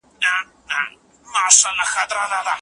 تشویش زړه کمزوری کوي.